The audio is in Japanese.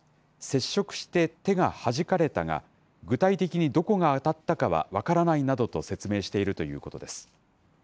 接触して手がはじかれたが、具体的にどこが当たったかは分からないなどと説明しているということです。